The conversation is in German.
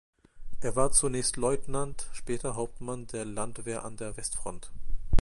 Er war zunächst Leutnant, später Hauptmann der Landwehr an der Westfront.